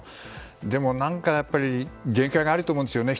でも、何か限界があると思うんですよね。